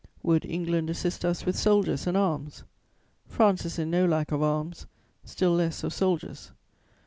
"Would England assist us with soldiers and arms? "France is in no lack of arms, still less of soldiers.